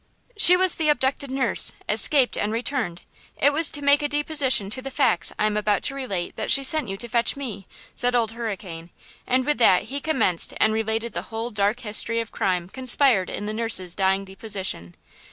"She was the abducted nurse, escaped and returned. It was to make a deposition to the facts I am about to relate that she sent you to fetch me," said Old Hurricane; and with that he commenced and related the whole dark history of crime conspired in the nurse's dying deposition.